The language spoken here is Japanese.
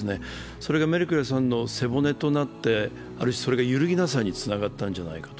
それがメルケルさんの背骨となって、それが揺るぎなさにつながったんじゃないかと。